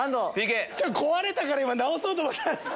壊れたから今直そうと思ったんす。